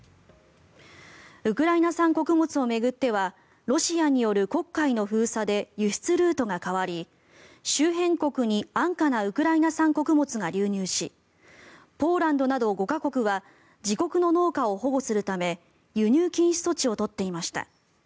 ウクライナ産穀物を巡ってはロシアによる黒海の封鎖で輸出ルートが変わり周辺国に安価なウクライナ産穀物が流入しポーランドなど５か国は自国の農家を保護するため輸入禁止措置を取っていました。